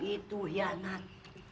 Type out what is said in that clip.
gitu ya nad